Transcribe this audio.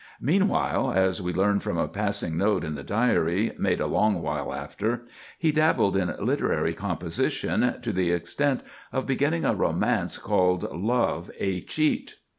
Meanwhile, as we learn from a passing note in the Diary, made a long while after, he dabbled in literary composition to the extent of beginning a romance, called "Love a Cheat."